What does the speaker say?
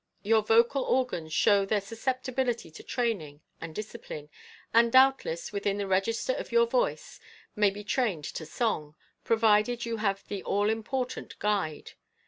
Your vocal organs show their susceptibility to training and discipline, and doubtless, within the register of your voice, may be trained to song, provided you have the all important guide.